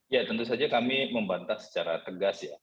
ya tentu saja kami membantah secara tegas ya